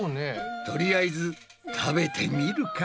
とりあえず食べてみるか。